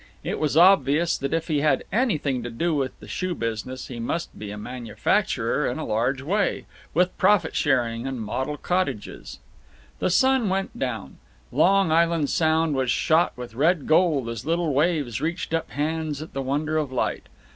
It was obvious that if he had anything to do with the shoe business, he must be a manufacturer in a large way, with profit sharing and model cottages. The sun went down; Long Island Sound was shot with red gold as little waves reached up hands at the wonder of light.